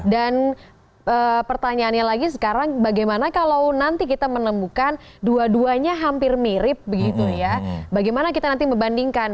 dan pertanyaannya lagi sekarang bagaimana kalau nanti kita menemukan dua duanya hampir mirip bagaimana kita nanti membandingkan